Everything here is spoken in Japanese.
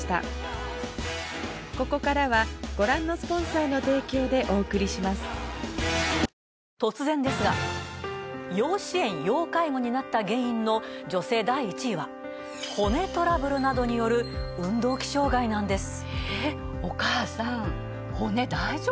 タイル、玄関先が目立ったと突然ですが要支援・要介護になった原因の女性第１位は骨トラブルなどによる運動器障害なんです。